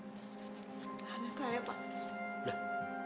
tahanlah saya pak